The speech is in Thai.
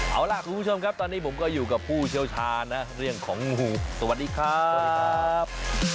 เอาล่ะคุณผู้ชมครับตอนนี้ผมก็อยู่กับผู้เชี่ยวชาญนะเรื่องของงูสวัสดีครับ